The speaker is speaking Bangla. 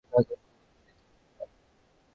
ও এখন খুব উত্তেজিত, সোনা।